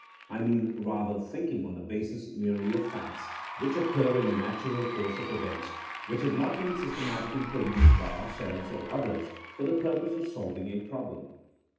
I mean rather thinking on the basis merely of facts which occur in the natural course of events, which have not been systematically produced by ourselves or others for the purpose of solving a problem.